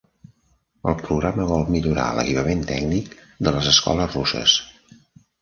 El programa vol millorar l'equipament tècnic de les escoles russes.